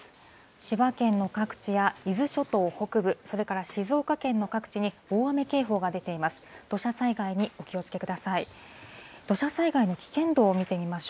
千葉県の各地や伊豆諸島北部、それから静岡県の各地に、大雨警報が出ています。